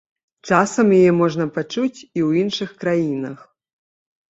Часам яе можна пачуць і ў іншых краінах.